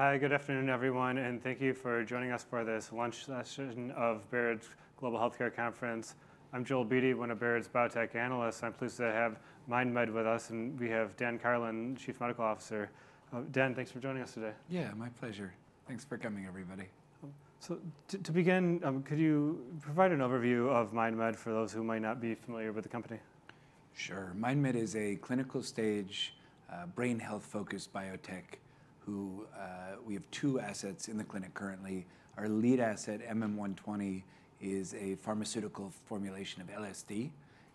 Hi, good afternoon, everyone, and thank you for joining us for this lunch session of Baird's Global Healthcare Conference. I'm Joel Beatty, one of Baird's biotech analysts. I'm pleased to have MindMed with us, and we have Dan Karlin, Chief Medical Officer. Dan, thanks for joining us today. Yeah, my pleasure. Thanks for coming, everybody. To begin, could you provide an overview of MindMed for those who might not be familiar with the company? Sure. MindMed is a clinical stage, brain health-focused biotech who... We have two assets in the clinic currently. Our lead asset, MM120, is a pharmaceutical formulation of LSD,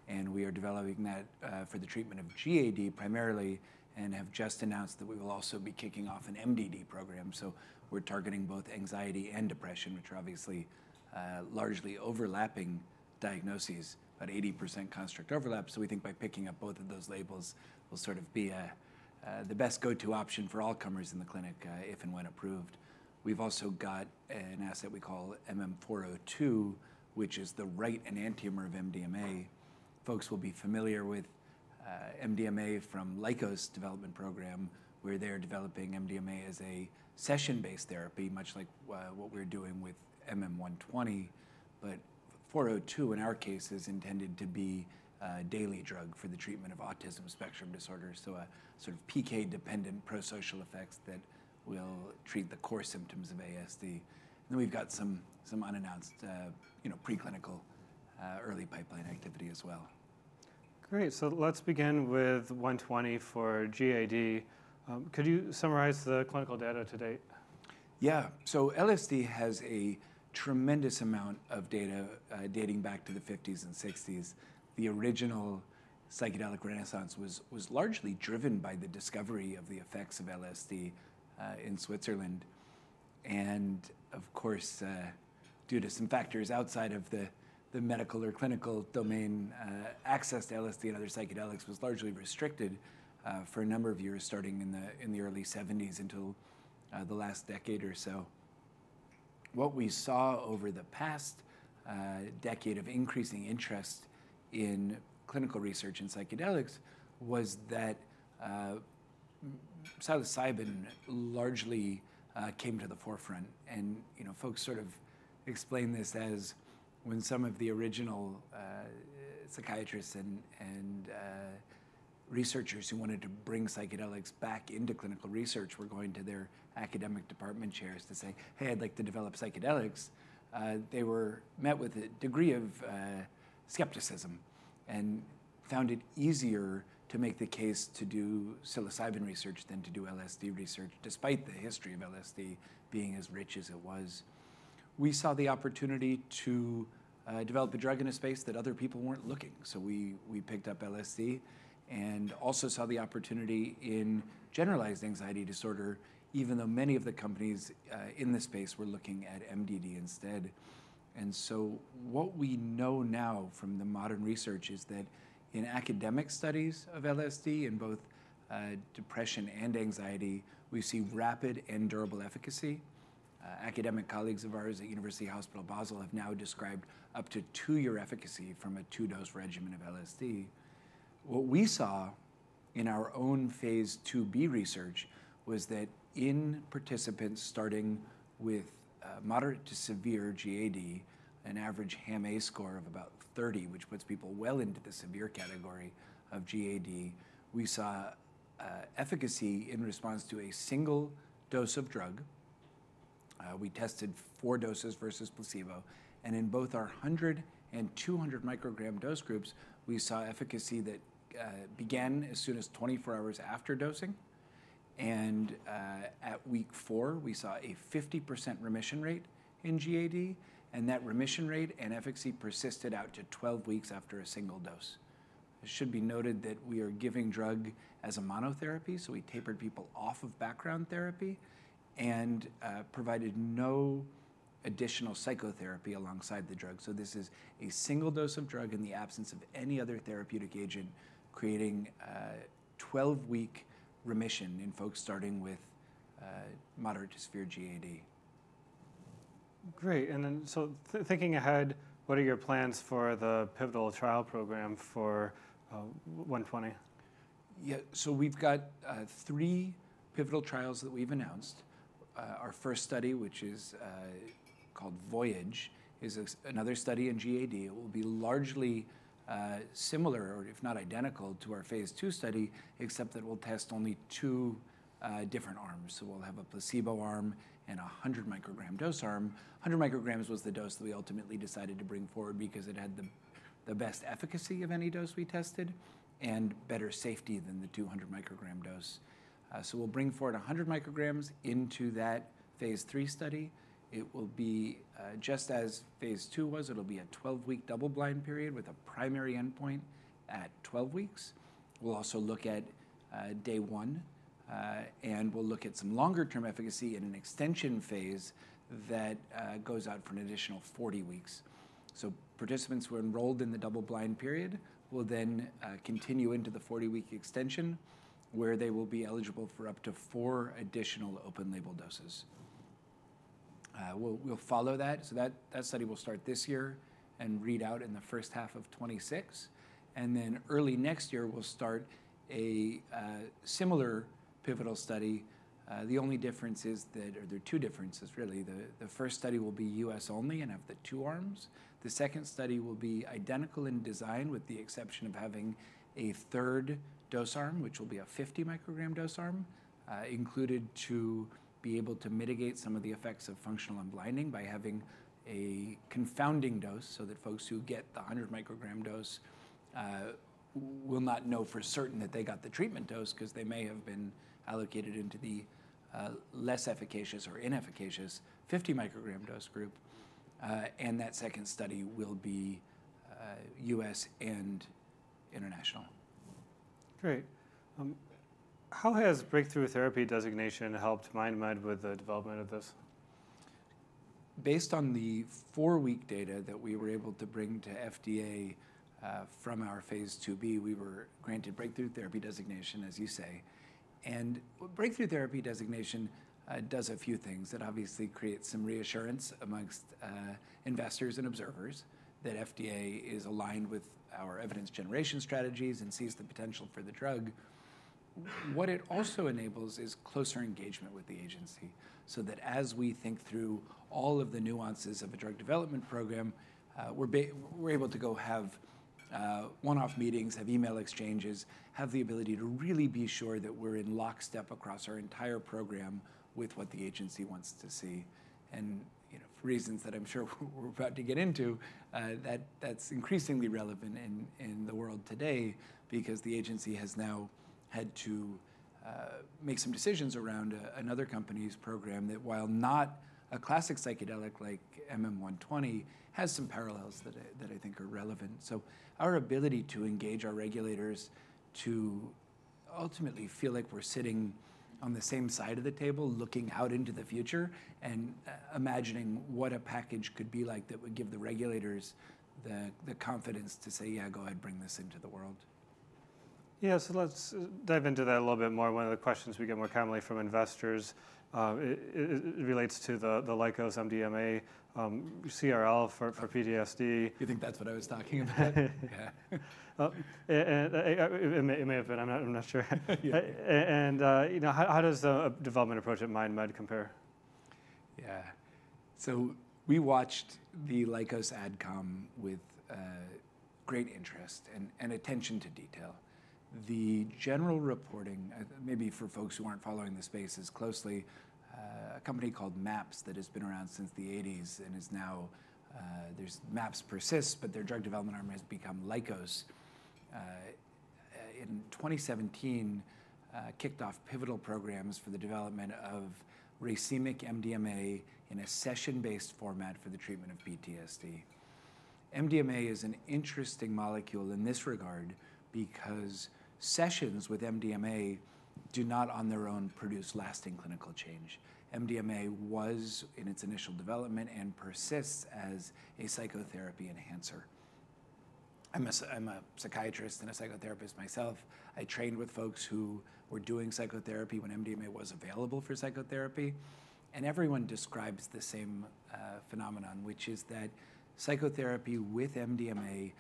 and we are developing that, for the treatment of GAD primarily, and have just announced that we will also be kicking off an MDD program. So we're targeting both anxiety and depression, which are obviously, largely overlapping diagnoses, about 80% construct overlap. So we think by picking up both of those labels, we'll sort of be a, the best go-to option for all comers in the clinic, if and when approved. We've also got an asset we call MM402, which is the right enantiomer of MDMA. Folks will be familiar with, MDMA from Lykos development program, where they're developing MDMA as a session-based therapy, much like, what we're doing with MM120. But 402, in our case, is intended to be a daily drug for the treatment of autism spectrum disorders, so a sort of PK-dependent prosocial effects that will treat the core symptoms of ASD. Then we've got some unannounced, you know, preclinical, early pipeline activity as well. Great, so let's begin with 120 for GAD. Could you summarize the clinical data to date? Yeah. So LSD has a tremendous amount of data dating back to the '50s and '60s. The original psychedelic renaissance was largely driven by the discovery of the effects of LSD in Switzerland. Of course, due to some factors outside of the medical or clinical domain, access to LSD and other psychedelics was largely restricted for a number of years, starting in the early '70s until the last decade or so. What we saw over the past decade of increasing interest in clinical research in psychedelics was that psilocybin largely came to the forefront. You know, folks sort of explained this as when some of the original psychiatrists and researchers who wanted to bring psychedelics back into clinical research were going to their academic department chairs to say, "Hey, I'd like to develop psychedelics." They were met with a degree of skepticism, and found it easier to make the case to do psilocybin research than to do LSD research, despite the history of LSD being as rich as it was. We saw the opportunity to develop a drug in a space that other people weren't looking. So we picked up LSD and also saw the opportunity in generalized anxiety disorder, even though many of the companies in this space were looking at MDD instead. And so what we know now from the modern research is that in academic studies of LSD, in both depression and anxiety, we see rapid and durable efficacy. Academic colleagues of ours at University Hospital Basel have now described up to two-year efficacy from a two-dose regimen of LSD. What we saw in our own Phase 2B research was that in participants starting with moderate to severe GAD, an average HAM-A score of about 30, which puts people well into the severe category of GAD, we saw efficacy in response to a single dose of drug. We tested four doses versus placebo, and in both our 100 and 200 microgram dose groups, we saw efficacy that began as soon as 24 hours after dosing. At week four, we saw a 50% remission rate in GAD, and that remission rate and efficacy persisted out to 12 weeks after a single dose. It should be noted that we are giving drug as a monotherapy, so we tapered people off of background therapy and provided no additional psychotherapy alongside the drug. This is a single dose of drug in the absence of any other therapeutic agent, creating a 12-week remission in folks starting with moderate to severe GAD. Great, and then so thinking ahead, what are your plans for the pivotal trial program for 120? Yeah. So we've got three pivotal trials that we've announced. Our first study, which is called Voyage, is another study in GAD. It will be largely similar, or if not identical, to our phase II study, except that we'll test only two different arms. So we'll have a placebo arm and a hundred microgram dose arm. A hundred micrograms was the dose that we ultimately decided to bring forward because it had the best efficacy of any dose we tested and better safety than the 200 microgram dose. So we'll bring forward a hundred micrograms into that Phase III study. It will be just as phase II was. It'll be a twelve-week double-blind period with a primary endpoint at twelve weeks. We'll also look at day one, and we'll look at some longer-term efficacy in an extension phase that goes out for an additional forty weeks, so participants who are enrolled in the double-blind period will then continue into the forty-week extension, where they will be eligible for up to four additional open-label doses. We'll follow that, so that study will start this year and read out in the first half of 2026, and then early next year, we'll start a similar pivotal study. The only difference is that, or there are two differences, really. The first study will be U.S. only and have the two arms. The second study will be identical in design, with the exception of having a third dose arm, which will be a 50 microgram dose arm, included to be able to mitigate some of the effects of functional unblinding by having a confounding dose, so that folks who get the hundred microgram dose, will not know for certain that they got the treatment dose, 'cause they may have been allocated into the, less efficacious or inefficacious fifty microgram dose group. And that second study will be, US and international. Great. How has breakthrough therapy designation helped MindMed with the development of this? Based on the four-week data that we were able to bring to FDA from our phase 2b, we were granted breakthrough therapy designation, as you say, and breakthrough therapy designation does a few things. It obviously creates some reassurance among investors and observers that FDA is aligned with our evidence generation strategies and sees the potential for the drug. What it also enables is closer engagement with the agency, so that as we think through all of the nuances of a drug development program, we're able to go have one-off meetings, have email exchanges, have the ability to really be sure that we're in lockstep across our entire program with what the agency wants to see. You know, for reasons that I'm sure we're about to get into, that, that's increasingly relevant in the world today, because the agency has now had to make some decisions around another company's program that, while not a classic psychedelic like MM120, has some parallels that I think are relevant. So our ability to engage our regulators to ultimately feel like we're sitting on the same side of the table, looking out into the future and imagining what a package could be like that would give the regulators the confidence to say, "Yeah, go ahead, bring this into the world. Yeah. So let's dive into that a little bit more. One of the questions we get more commonly from investors, it relates to the Lykos MDMA CRL for PTSD. You think that's what I was talking about? Yeah, and it may have been. I'm not sure. Yeah. And, you know, how does the development approach at MindMed compare? Yeah. So we watched the Lykos AdCom with great interest and attention to detail. The general reporting, maybe for folks who aren't following the space as closely, a company called MAPS that has been around since the 1980s and is now MAPS persists, but their drug development arm has become Lykos. In 2017 kicked off pivotal programs for the development of racemic MDMA in a session-based format for the treatment of PTSD. MDMA is an interesting molecule in this regard because sessions with MDMA do not, on their own, produce lasting clinical change. MDMA was in its initial development and persists as a psychotherapy enhancer. I'm a psychiatrist and a psychotherapist myself. I trained with folks who were doing psychotherapy when MDMA was available for psychotherapy, and everyone describes the same phenomenon, which is that psychotherapy with MDMA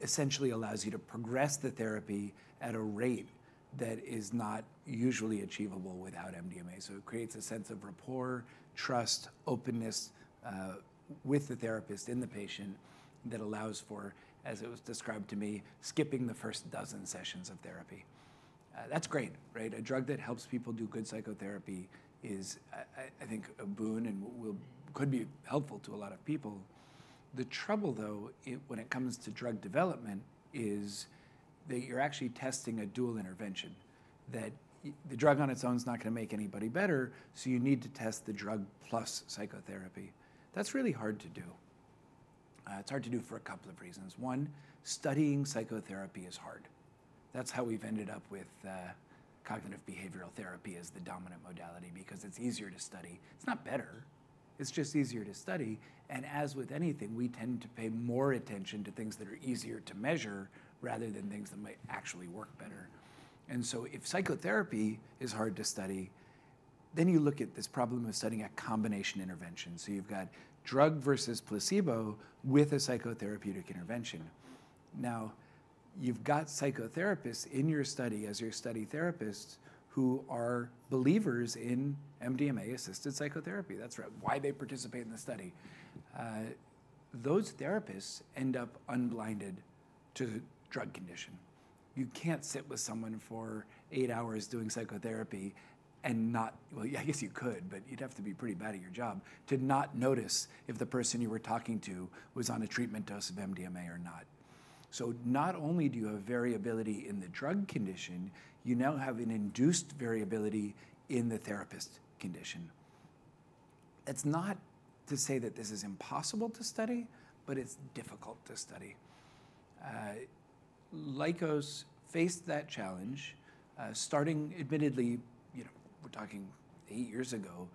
essentially allows you to progress the therapy at a rate that is not usually achievable without MDMA. So it creates a sense of rapport, trust, openness with the therapist in the patient that allows for, as it was described to me, skipping the first dozen sessions of therapy. That's great, right? A drug that helps people do good psychotherapy is, I think, a boon and could be helpful to a lot of people. The trouble, though, when it comes to drug development, is that you're actually testing a dual intervention, that the drug on its own is not gonna make anybody better, so you need to test the drug plus psychotherapy. That's really hard to do. It's hard to do for a couple of reasons. One, studying psychotherapy is hard. That's how we've ended up with cognitive behavioral therapy as the dominant modality because it's easier to study. It's not better, it's just easier to study. And as with anything, we tend to pay more attention to things that are easier to measure, rather than things that might actually work better. And so if psychotherapy is hard to study, then you look at this problem of studying a combination intervention. So you've got drug versus placebo with a psychotherapeutic intervention. Now, you've got psychotherapists in your study, as your study therapists, who are believers in MDMA-assisted psychotherapy. That's right, why they participate in the study. Those therapists end up unblinded to the drug condition. You can't sit with someone for eight hours doing psychotherapy and not, well, yeah, I guess you could, but you'd have to be pretty bad at your job to not notice if the person you were talking to was on a treatment dose of MDMA or not. So not only do you have variability in the drug condition, you now have an induced variability in the therapist condition. It's not to say that this is impossible to study, but it's difficult to study. Lykos faced that challenge, starting admittedly, you know, we're talking eight years ago,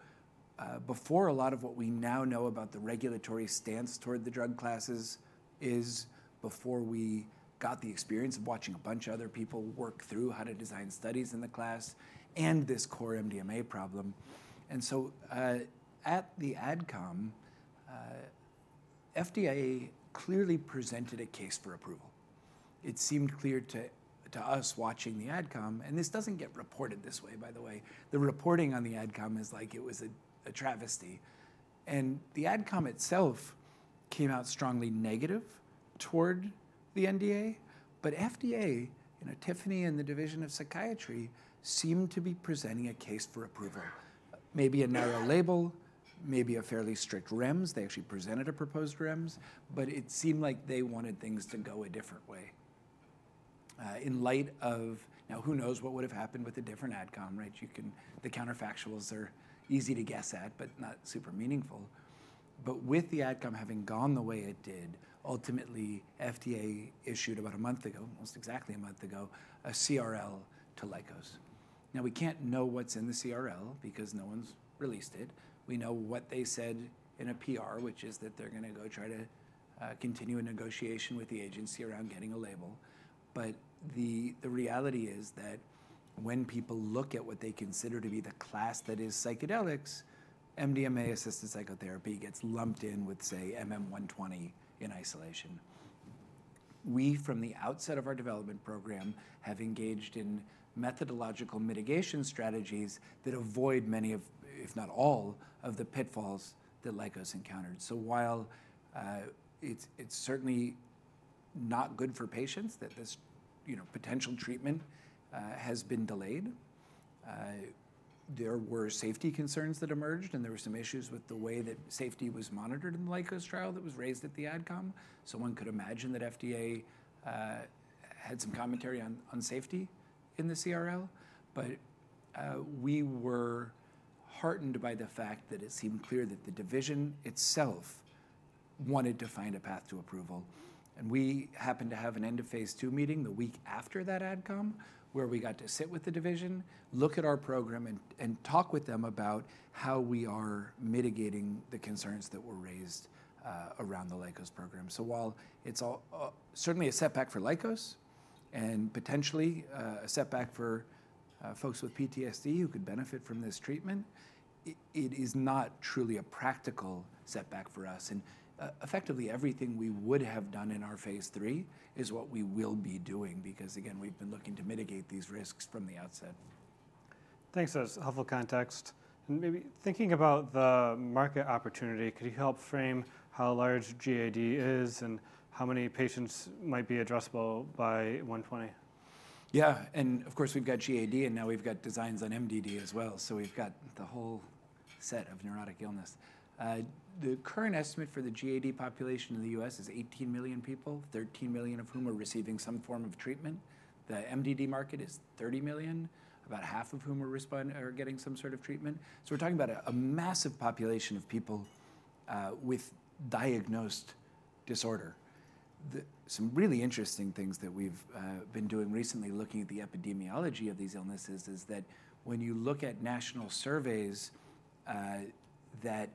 before a lot of what we now know about the regulatory stance toward the drug classes, is before we got the experience of watching a bunch of other people work through how to design studies in the class and this core MDMA problem. And so, at the AdCom. FDA clearly presented a case for approval. It seemed clear to us watching the AdCom, and this doesn't get reported this way, by the way. The reporting on the AdCom is like it was a travesty, and the AdCom itself came out strongly negative toward the NDA, but FDA, you know, Tiffany and the Division of Psychiatry, seemed to be presenting a case for approval. Maybe a narrow label, maybe a fairly strict REMS. They actually presented a proposed REMS, but it seemed like they wanted things to go a different way, in light of... Now, who knows what would've happened with a different AdCom, right? The counterfactuals are easy to guess at, but not super meaningful, with the AdCom having gone the way it did, ultimately, FDA issued about a month ago, almost exactly a month ago, a CRL to Lykos. Now, we can't know what's in the CRL because no one's released it. We know what they said in a PR, which is that they're gonna go try to continue a negotiation with the agency around getting a label. But the reality is that when people look at what they consider to be the class that is psychedelics, MDMA-assisted psychotherapy gets lumped in with, say, MM120 in isolation. We, from the outset of our development program, have engaged in methodological mitigation strategies that avoid many of, if not all, of the pitfalls that Lykos encountered. So while it's certainly not good for patients that this, you know, potential treatment has been delayed, there were safety concerns that emerged, and there were some issues with the way that safety was monitored in the Lykos trial that was raised at the AdCom. So one could imagine that FDA had some commentary on safety in the CRL. But we were heartened by the fact that it seemed clear that the division itself wanted to find a path to approval. And we happened to have an end-of-phase two meeting the week after that AdCom, where we got to sit with the division, look at our program, and talk with them about how we are mitigating the concerns that were raised around the Lykos program. So while it's certainly a setback for Lykos and potentially a setback for folks with PTSD who could benefit from this treatment, it is not truly a practical setback for us. Effectively, everything we would have done in our phase three is what we will be doing because, again, we've been looking to mitigate these risks from the outset. Thanks. That's helpful context. And maybe thinking about the market opportunity, could you help frame how large GAD is and how many patients might be addressable by 120? Yeah, and of course, we've got GAD, and now we've got designs on MDD as well. So we've got the whole set of neurotic illness. The current estimate for the GAD population in the U.S. is 18 million people, 13 million of whom are receiving some form of treatment. The MDD market is 30 million, about half of whom are getting some sort of treatment. So we're talking about a massive population of people with diagnosed disorder. Some really interesting things that we've been doing recently, looking at the epidemiology of these illnesses, is that when you look at national surveys that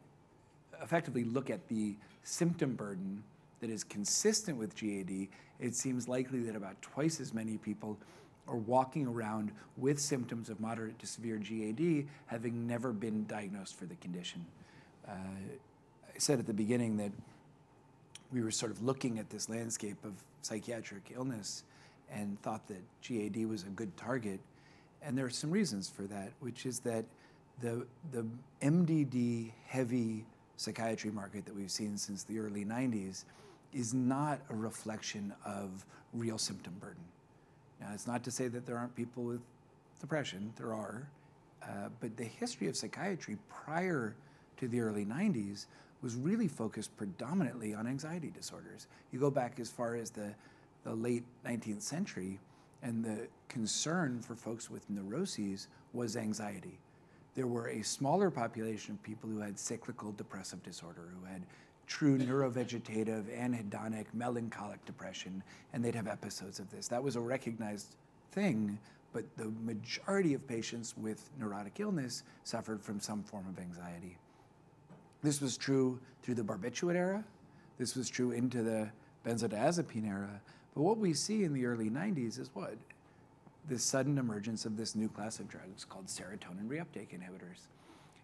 effectively look at the symptom burden that is consistent with GAD, it seems likely that about twice as many people are walking around with symptoms of moderate to severe GAD, having never been diagnosed for the condition. I said at the beginning that we were sort of looking at this landscape of psychiatric illness and thought that GAD was a good target, and there are some reasons for that, which is that the MDD-heavy psychiatry market that we've seen since the early 1990s is not a reflection of real symptom burden. Now, that's not to say that there aren't people with depression. There are. But the history of psychiatry prior to the early 1990s was really focused predominantly on anxiety disorders. You go back as far as the late nineteenth century, and the concern for folks with neuroses was anxiety. There were a smaller population of people who had cyclical depressive disorder, who had true neurovegetative, anhedonic, melancholic depression, and they'd have episodes of this. That was a recognized thing, but the majority of patients with neurotic illness suffered from some form of anxiety. This was true through the barbiturate era. This was true into the benzodiazepine era. But what we see in the early '90s is what? The sudden emergence of this new class of drugs called serotonin reuptake inhibitors.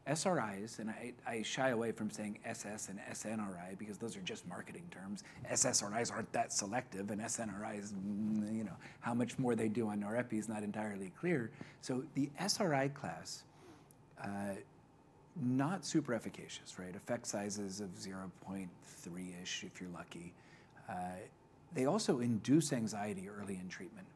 SRIs, and I shy away from saying SS and SNRI because those are just marketing terms. SSRIs aren't that selective, and SNRIs, you know, how much more they do on norepi is not entirely clear. So the SRI class, not super efficacious, right? Effect sizes of zero point three-ish, if you're lucky. They also induce anxiety early in treatment,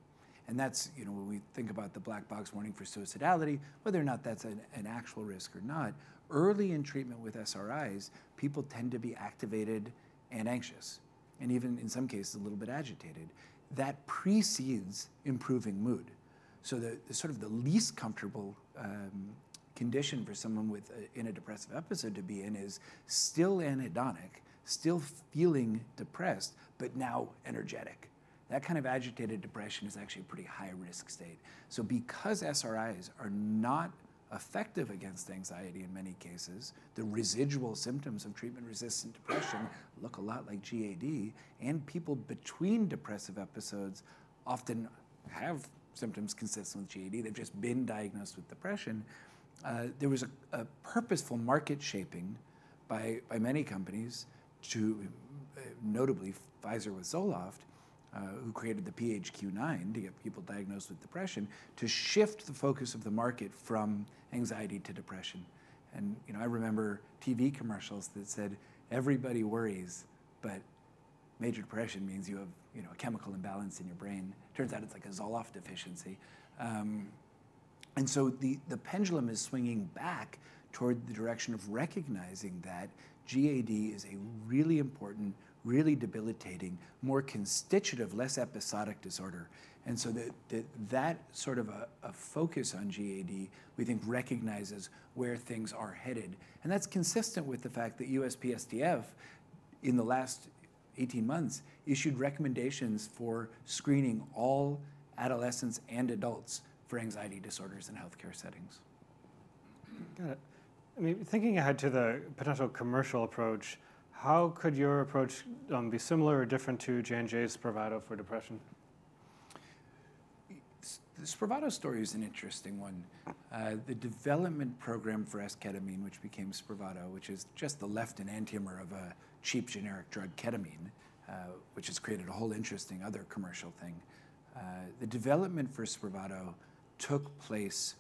and that's... You know, when we think about the black box warning for suicidality, whether or not that's an actual risk or not, early in treatment with SRIs, people tend to be activated and anxious, and even in some cases, a little bit agitated. That precedes improving mood. So the sort of the least comfortable condition for someone with in a depressive episode to be in is still anhedonic, still feeling depressed, but now energetic. That kind of agitated depression is actually a pretty high-risk state. So because SRIs are not effective against anxiety in many cases, the residual symptoms of treatment-resistant depression look a lot like GAD, and people between depressive episodes often have symptoms consistent with GAD, they've just been diagnosed with depression. There was a purposeful market shaping by many companies to notably Pfizer with Zoloft, who created the PHQ-9 to get people diagnosed with depression, to shift the focus of the market from anxiety to depression. And, you know, I remember TV commercials that said, "Everybody worries," but major depression means you have, you know, a chemical imbalance in your brain. Turns out it's like a Zoloft deficiency. And so the pendulum is swinging back toward the direction of recognizing that GAD is a really important, really debilitating, more constitutive, less episodic disorder. And so that sort of a focus on GAD, we think, recognizes where things are headed. And that's consistent with the fact that USPSTF, in the last eighteen months, issued recommendations for screening all adolescents and adults for anxiety disorders in healthcare settings. Got it. I mean, thinking ahead to the potential commercial approach, how could your approach be similar or different to J&J's Spravato for depression? The Spravato story is an interesting one. The development program for esketamine, which became Spravato, which is just the left enantiomer of a cheap generic drug, ketamine, which has created a whole interesting other commercial thing. The development for Spravato took place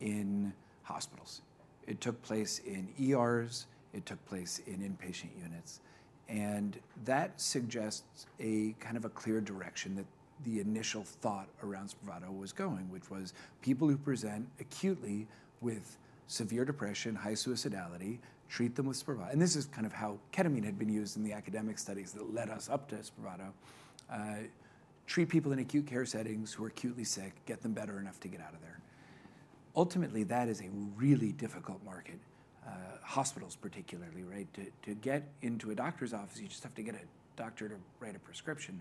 in hospitals. It took place in ERs, it took place in inpatient units, and that suggests a kind of a clear direction that the initial thought around Spravato was going, which was people who present acutely with severe depression, high suicidality, treat them with Spravato. And this is kind of how ketamine had been used in the academic studies that led us up to Spravato. Treat people in acute care settings who are acutely sick, get them better enough to get out of there. Ultimately, that is a really difficult market, hospitals particularly, right? To get into a doctor's office, you just have to get a doctor to write a prescription.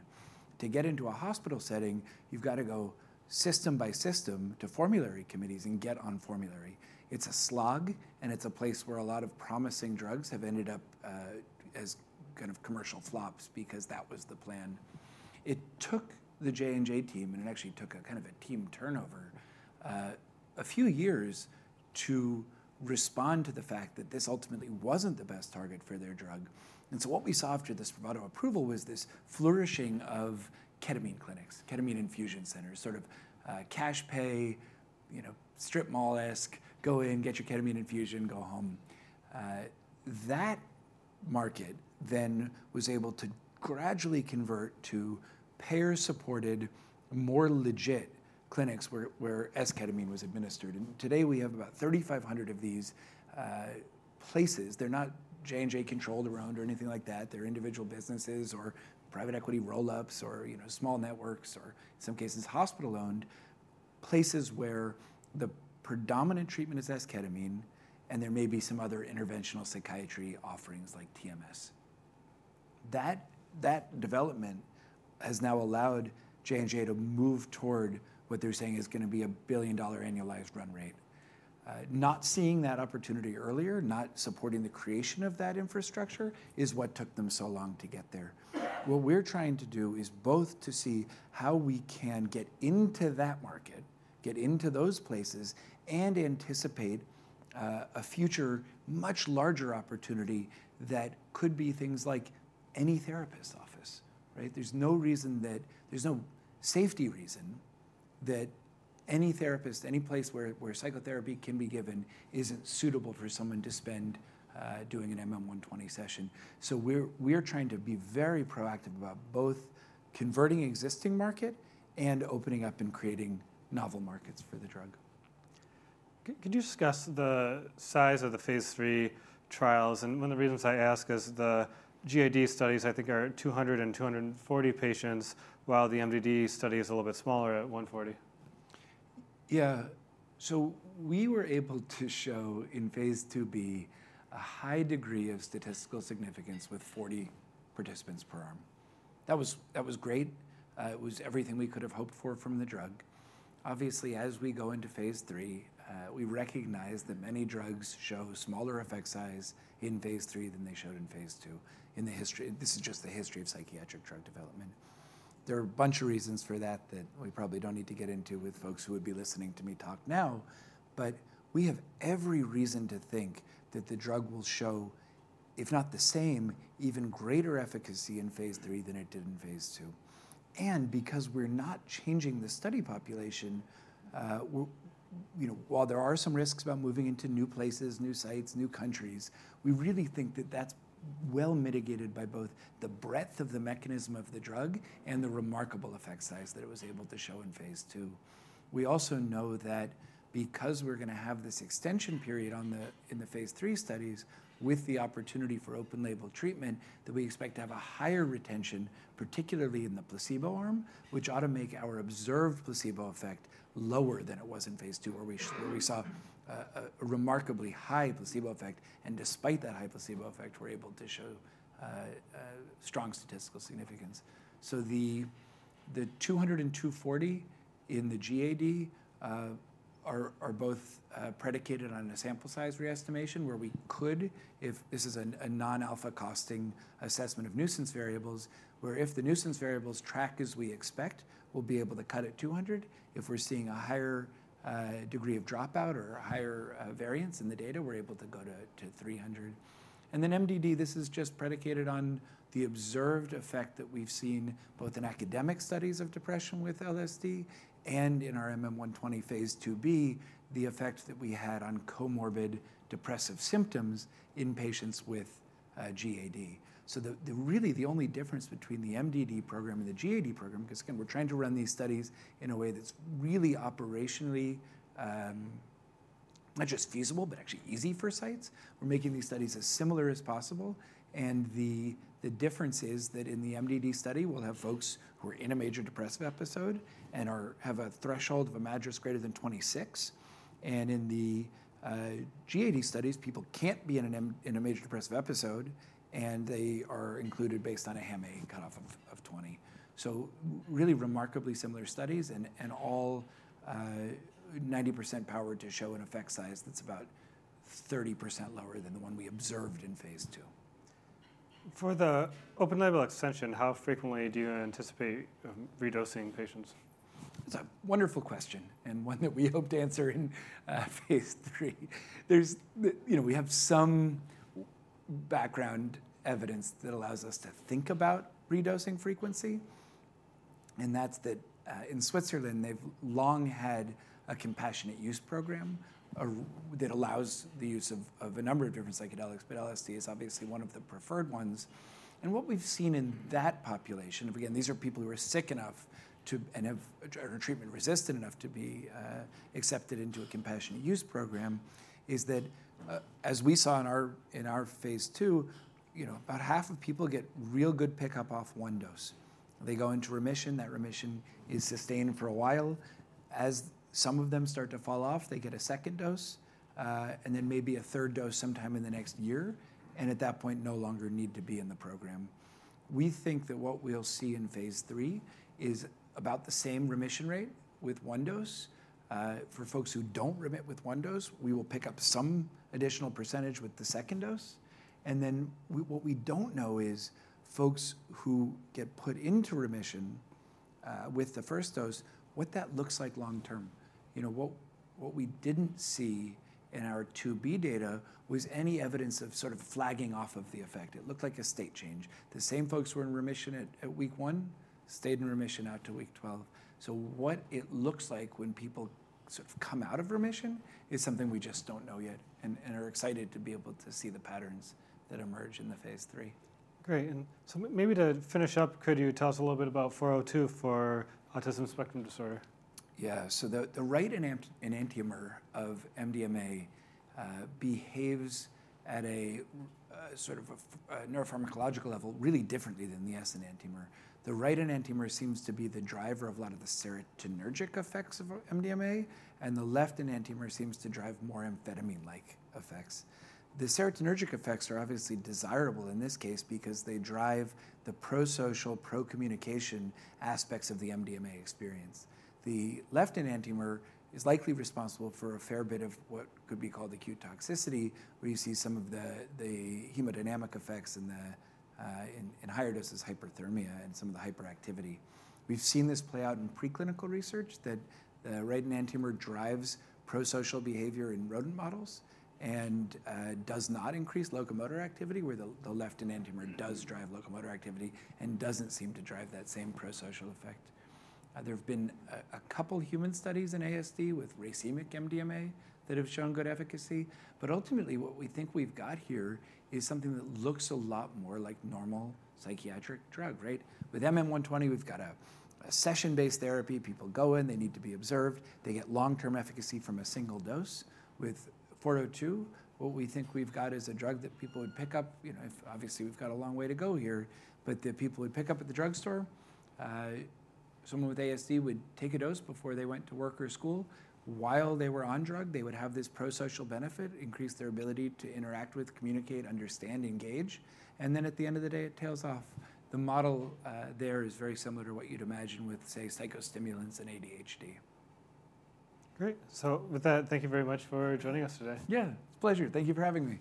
To get into a hospital setting, you've got to go system by system to formulary committees and get on formulary. It's a slog, and it's a place where a lot of promising drugs have ended up as kind of commercial flops because that was the plan. It took the J&J team, and it actually took a kind of a team turnover a few years to respond to the fact that this ultimately wasn't the best target for their drug. And so what we saw after the Spravato approval was this flourishing of ketamine clinics, ketamine infusion centers, sort of cash pay, you know, strip mall-esque, go in, get your ketamine infusion, go home. That market then was able to gradually convert to payer-supported, more legit clinics, where esketamine was administered, and today we have about 3,500 of these places. They're not J&J controlled around or anything like that. They're individual businesses or private equity roll-ups or, you know, small networks or in some cases, hospital-owned places where the predominant treatment is esketamine, and there may be some other interventional psychiatry offerings like TMS. That development has now allowed J&J to move toward what they're saying is gonna be a billion-dollar annualized run rate. Not seeing that opportunity earlier, not supporting the creation of that infrastructure is what took them so long to get there. What we're trying to do is both to see how we can get into that market, get into those places, and anticipate a future much larger opportunity that could be things like any therapist's office, right? There's no safety reason that any therapist, any place where psychotherapy can be given, isn't suitable for someone to spend doing an MM120 session. So we're trying to be very proactive about both converting existing market and opening up and creating novel markets for the drug. Could you discuss the size of the phase III trials? And one of the reasons I ask is the GAD studies, I think, are 200 and 240 patients, while the MDD study is a little bit smaller at 140. Yeah. So we were able to show in phase IIB a high degree of statistical significance with forty participants per arm. That was, that was great. It was everything we could have hoped for from the drug. Obviously, as we go into phase III, we recognize that many drugs show smaller effect size in phase III than they showed in phase II. In the history. This is just the history of psychiatric drug development. There are a bunch of reasons for that, that we probably don't need to get into with folks who would be listening to me talk now, but we have every reason to think that the drug will show, if not the same, even greater efficacy in phase III than it did in phase II. Because we're not changing the study population, you know, while there are some risks about moving into new places, new sites, new countries, we really think that that's well mitigated by both the breadth of the mechanism of the drug and the remarkable effect size that it was able to show in phase II. We also know that because we're gonna have this extension period in the phase III studies, with the opportunity for open label treatment, that we expect to have a higher retention, particularly in the placebo arm, which ought to make our observed placebo effect lower than it was in phase II, where we saw a remarkably high placebo effect. Despite that high placebo effect, we're able to show strong statistical significance. The two hundred and two forty-... In the GAD, are both predicated on a sample size re-estimation where we could, if this is a non-alpha costing assessment of nuisance variables, where if the nuisance variables track as we expect, we'll be able to cut at 200. If we're seeing a higher degree of dropout or higher variance in the data, we're able to go to 300. And then MDD, this is just predicated on the observed effect that we've seen, both in academic studies of depression with LSD and in our MM120 phase IIb, the effect that we had on comorbid depressive symptoms in patients with GAD. So the really, the only difference between the MDD program and the GAD program, 'cause again, we're trying to run these studies in a way that's really operationally not just feasible, but actually easy for sites. We're making these studies as similar as possible, and the difference is that in the MDD study, we'll have folks who are in a major depressive episode and have a threshold of a MADRS greater than 26. And in the GAD studies, people can't be in a major depressive episode, and they are included based on a HAM-A cutoff of 20. So really remarkably similar studies and all 90% powered to show an effect size that's about 30% lower than the one we observed in phase II. For the open-label extension, how frequently do you anticipate redosing patients? It's a wonderful question, and one that we hope to answer in phase III. You know, we have some background evidence that allows us to think about redosing frequency, and that's that in Switzerland, they've long had a compassionate use program that allows the use of a number of different psychedelics, but LSD is obviously one of the preferred ones. And what we've seen in that population, and again, these are people who are sick enough to, and have or treatment-resistant enough to be accepted into a compassionate use program, is that as we saw in our phase II, you know, about half of people get real good pickup off one dose. They go into remission. That remission is sustained for a while. As some of them start to fall off, they get a second dose, and then maybe a third dose sometime in the next year, and at that point, no longer need to be in the program. We think that what we'll see in phase III is about the same remission rate with one dose. For folks who don't remit with one dose, we will pick up some additional percentage with the second dose. Then what we don't know is folks who get put into remission with the first dose, what that looks like long term. You know, what we didn't see in our IIb data was any evidence of sort of flagging off of the effect. It looked like a state change. The same folks who were in remission at week one stayed in remission out to week 12. So what it looks like when people sort of come out of remission is something we just don't know yet, and are excited to be able to see the patterns that emerge in the phase III. Great, and so maybe to finish up, could you tell us a little bit about 402 for autism spectrum disorder? Yeah. So the right enantiomer of MDMA behaves at a sort of neuropharmacological level really differently than the S enantiomer. The right enantiomer seems to be the driver of a lot of the serotonergic effects of MDMA, and the left enantiomer seems to drive more amphetamine-like effects. The serotonergic effects are obviously desirable in this case because they drive the pro-social, pro-communication aspects of the MDMA experience. The left enantiomer is likely responsible for a fair bit of what could be called acute toxicity, where you see some of the hemodynamic effects in higher doses, hyperthermia, and some of the hyperactivity. We've seen this play out in preclinical research, that the right enantiomer drives pro-social behavior in rodent models and does not increase locomotor activity, where the left enantiomer does drive locomotor activity and doesn't seem to drive that same pro-social effect. There have been a couple human studies in ASD with racemic MDMA that have shown good efficacy, but ultimately, what we think we've got here is something that looks a lot more like normal psychiatric drug, right? With MM120, we've got a session-based therapy. People go in, they need to be observed, they get long-term efficacy from a single dose. With MM402, what we think we've got is a drug that people would pick up. You know, obviously, we've got a long way to go here, but that people would pick up at the drugstore. Someone with ASD would take a dose before they went to work or school. While they were on drug, they would have this pro-social benefit, increase their ability to interact with, communicate, understand, engage, and then at the end of the day, it tails off. The model, there is very similar to what you'd imagine with, say, psychostimulants in ADHD. Great. So with that, thank you very much for joining us today. Yeah, it's a pleasure. Thank you for having me.